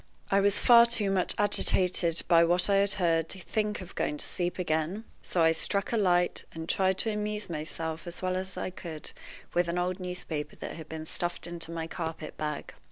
I was far too much agitated by what I had heard to think of going to sleep again, so I struck a light, and tried to amuse myself as well as I could with an old newspaper that had been stuffed into my carpet bag.